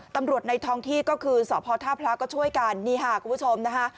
ในท้องที่ก็คือสพท่าพระก็ช่วยกันนี่ค่ะคุณผู้ชมนะคะ